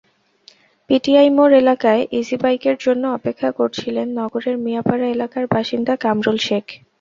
PTI মোড় এলাকায় ইজিবাইকের জন্য অপেক্ষা করছিলেন নগরের মিয়াপাড়া এলাকার বাসিন্দা কামরুল শেখ।